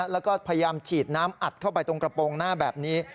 แล้วก็พยายามฉีดน้ำอัดเข้าไปตรงกระโปรงหน้าแบบนี้